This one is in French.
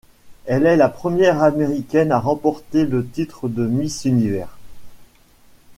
Elle est la première américaine à remporter le titre de Miss Univers.